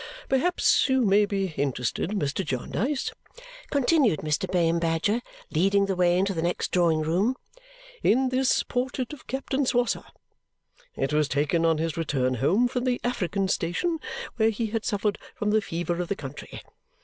Perhaps you may be interested, Mr. Jarndyce," continued Mr. Bayham Badger, leading the way into the next drawing room, "in this portrait of Captain Swosser. It was taken on his return home from the African station, where he had suffered from the fever of the country.